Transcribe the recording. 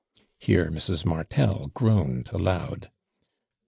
Here Mrs. Martel groaned aloud.